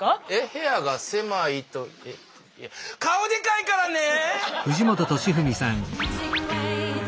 部屋が狭いとえいや顔でかいからねえ！